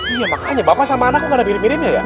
iya makanya bapak sama anakku gak ada mirip miripnya ya